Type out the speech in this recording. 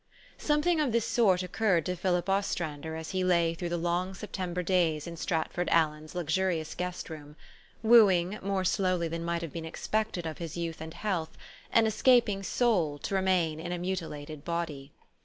Something of this soil occurred to Philip Os trander as he lay through the long September days in Stratford Allen's luxurious guest room, wooing, more slowly than might have been expected of his youth and health, an escaping soul to remain in a mutilated body.